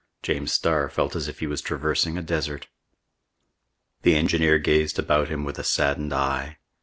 James Starr felt as if he was traversing a desert. The engineer gazed about him with a saddened eye.